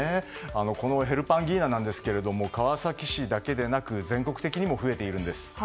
このヘルパンギーナなんですが川崎市だけでなく全国的にも増えているんです。